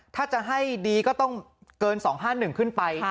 ถ้าจะให้ดีก็ต้องเกิน๒๕๑ขึ้นไป